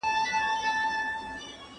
دوی چي ول موږ به ولاړ يو